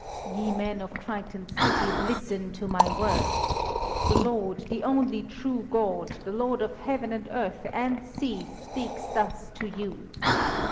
"Ye men of Triton's city, listen to my words! The Lord, the only true God, the Lord of heaven and earth and sea speaks thus to you.